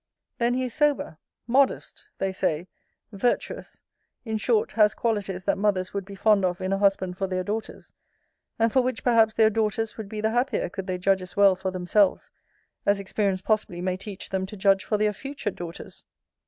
Then he is sober; modest; they say, virtuous; in short, has qualities that mothers would be fond of in a husband for their daughters; and for which perhaps their daughters would be the happier could they judge as well for themselves, as experience possibly may teach them to judge for their future daughters.